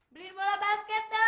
beli bola basket dong perhatian nih